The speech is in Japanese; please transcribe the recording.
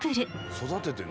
育ててる。